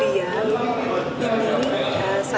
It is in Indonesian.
tidak lulus ya